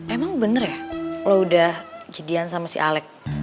emang bener ya kalau udah jadian sama si alec